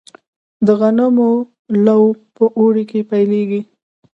د غنمو لو په اوړي کې پیلیږي.